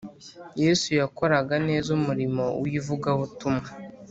Yesu yakoraga neza umurimo w’ivugabutumwa